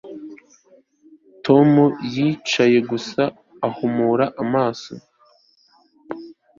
Tom yicaye gusa ahumuye amaso